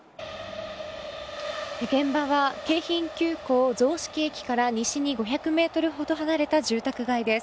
現場は京浜急行雑色駅から西に５００ｍほど離れた住宅街です。